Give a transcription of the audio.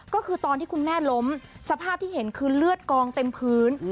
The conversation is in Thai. ก็คือตอนที่คุณแม่ล้มสภาพที่เห็นคือเลือดกองเต็มพื้น